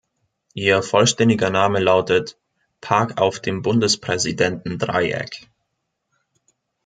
Ihr vollständiger Name lautet "Park auf dem Bundespräsidenten-Dreieck".